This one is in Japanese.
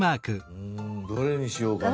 うんどれにしようかな。